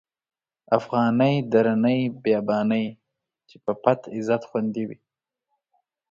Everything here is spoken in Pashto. افغانی درنی بیبیانی، چی په پت عزت خوندی وی